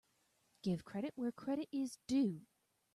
Give credit where credit is due.